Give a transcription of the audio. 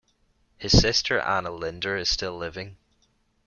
His sister Anna Linder is still living.